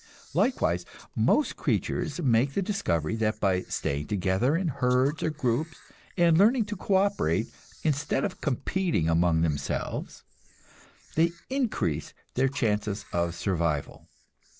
Likewise, most creatures make the discovery that by staying together in herds or groups, and learning to co operate instead of competing among themselves, they increase their chances of survival.